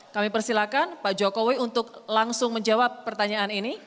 kami persilahkan pak jokowi untuk langsung menjawab pertanyaan ini